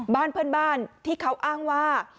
บ้านเพื่อนบ้านที่เขาอ้างว่า